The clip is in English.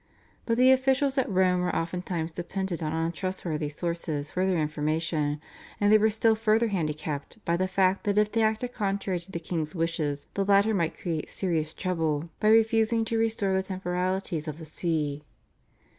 But the officials at Rome were oftentimes dependent on untrustworthy sources for their information, and they were still further handicapped by the fact that if they acted contrary to the king's wishes the latter might create serious trouble by refusing to restore the temporalities of the See.